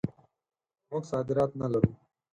موږ صادرات نه لرو.